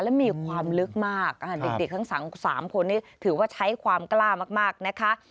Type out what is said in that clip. และมีความลึกมากเด็กทั้ง๓คนนี้ถือว่าใช้ความกล้ามากนะคะ